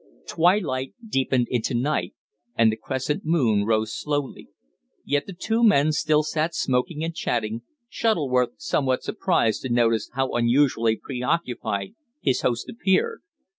Twilight deepened into night, and the crescent moon rose slowly. Yet the two men still sat smoking and chatting, Shuttleworth somewhat surprised to notice how unusually preoccupied his host appeared.